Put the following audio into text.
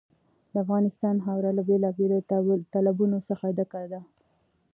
د افغانستان خاوره له بېلابېلو تالابونو څخه ډکه ده.